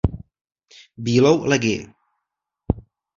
Bílou legii.